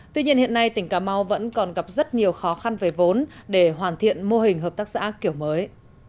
tuy nhiên hiện nay tỉnh cà mau vẫn còn gặp rất nhiều khó khăn về vốn để hoàn thiện mô hình hợp tác xã kiểu mới